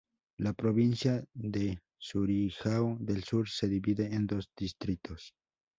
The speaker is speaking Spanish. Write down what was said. La provincia de Surigao del Sur se divide en dos distritos.